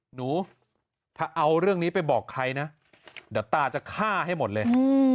หนูถ้าเอาเรื่องนี้ไปบอกใครนะเดี๋ยวตาจะฆ่าให้หมดเลย